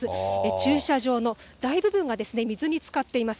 駐車場の大部分が水につかっています。